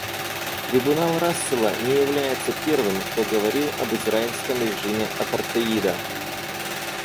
Трибунал Рассела не является первым, кто говорил об израильском режиме апартеида.